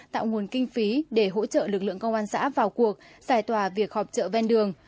tạo nguồn kinh phí để hỗ trợ lực lượng công an xã vào cuộc giải tòa việc họp chợ ven đường